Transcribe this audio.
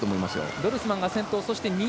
ドルスマンが先頭。